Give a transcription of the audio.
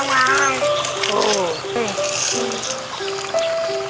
โอ้โห